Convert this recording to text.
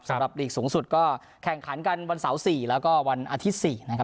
หลีกสูงสุดก็แข่งขันกันวันเสาร์๔แล้วก็วันอาทิตย์๔นะครับ